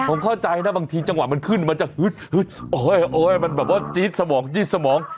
ผมเข้าใจนะบางทีจังหวะมันขึ้นมันจะฮึดโอ้ยมันแบบว่าจี๊ดสมองยืดสมอง